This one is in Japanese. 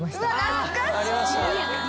懐かしい。